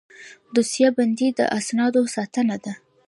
دوسیه بندي د اسنادو ساتنه ده